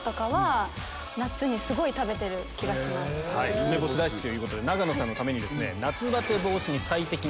梅干し大好きということで永野さんのために。